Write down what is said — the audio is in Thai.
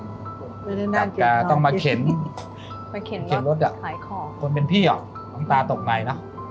ไม่ได้นั่งกินต้องมาเข็นมาเข็นรถถ่ายของคนเป็นพี่อ๋อน้องตาตกไหนเนอะ